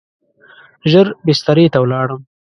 ژر بسترې ته ولاړم.